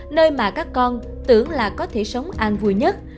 nơi mà các con tưởng là có thể sống an vui nhất